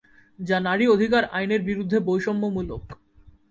যা নারী অধিকার আইনের বিরুদ্ধে বৈষম্যমূলক।